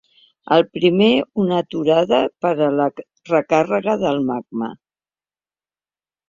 El primer, una aturada per a la recàrrega del magma.